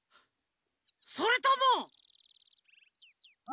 それとも。